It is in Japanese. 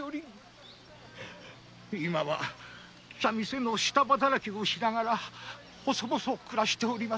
今は茶店の下働きをしながら細々と暮らしております。